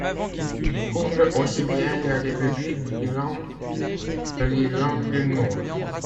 Il couvre aussi bien la République d'Irlande que l'Irlande du Nord.